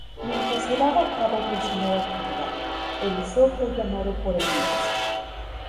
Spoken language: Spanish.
Mientras llevaba a cabo mencionada actividad, Eliseo fue llamado por Elías.